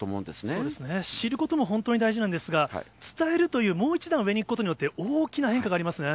そうですね、知ることも本当に大事なんですが、伝えるという、もう一段上に行くことによって、大きな変化がありますね。